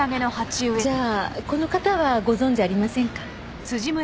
じゃあこの方はご存じありませんか？